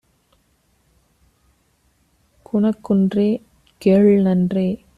குணக்குன்றே! - கேள்நன்றே!